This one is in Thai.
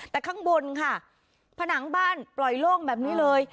แต่ข้างบนค่ะผนังบ้านปล่อยโล่งแบบนี้เลย